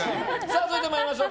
続いて参りましょう。